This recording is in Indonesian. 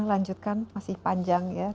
lanjutkan masih panjang ya